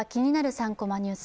３コマニュース」